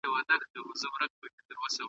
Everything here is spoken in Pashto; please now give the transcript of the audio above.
تلویزون له نږدې مه ګورئ.